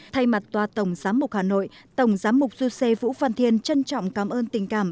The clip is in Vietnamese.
thay mặt tòa tổng giám mục hà nội tổng giám mục duce vũ văn thiên trân trọng cảm ơn tình cảm